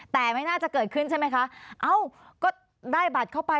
แต่ไม่น่าจะเกิดขึ้นใช่ไหมคะเอ้าก็ได้บัตรเข้าไป